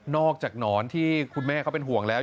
หนอนที่คุณแม่เขาเป็นห่วงแล้ว